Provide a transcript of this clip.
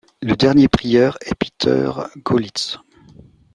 Le dernier prieur est Peter Golitz.